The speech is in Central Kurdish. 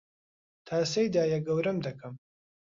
تاسەی دایەگەورەم دەکەم